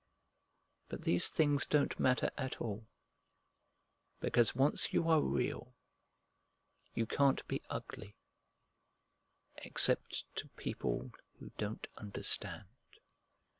But these things don't matter at all, because once you are Real you can't be ugly, except to people who don't understand."